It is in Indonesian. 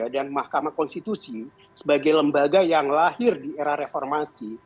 dan mahkamah konstitusi sebagai lembaga yang lahir di era reformasi